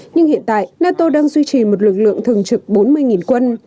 nhưng hiện tại nato đang duy trì một lực lượng thường trực bốn mươi quân